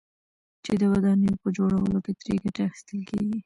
چې د ودانيو په جوړولو كې ترې گټه اخيستل كېږي،